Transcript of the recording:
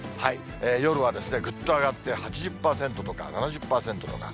夜はぐっと上がって８０％とか７０％とか。